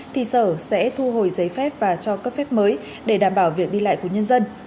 thì sở sẽ thu hồi giấy phép và cho cấp phép mới để đảm bảo việc đi lại của nhân dân